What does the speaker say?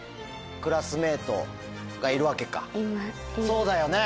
そうだよね